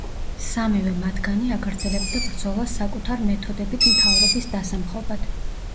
სამივე მათგანი აგრძელებდა ბრძოლას საკუთარ მეთოდებით მთავრობის დასამხობად.